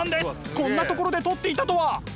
こんなところで撮っていたとは！